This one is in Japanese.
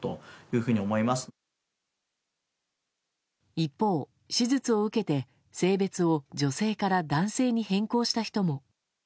一方、手術を受けて性別を女性から男性に変更した人も。